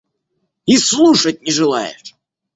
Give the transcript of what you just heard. И слушать не желаешь!